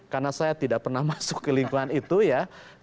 karena saya tidak pernah masuk ke lingkungan itu ya